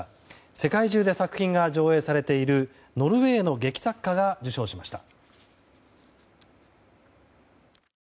世界中で作品が上映されているノルウェーの劇作家が受賞しました。